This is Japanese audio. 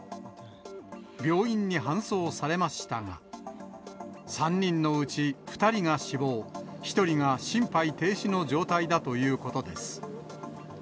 病院に搬送されましたが、３人のうち２人が死亡、１人が心肺停止の状態だということです。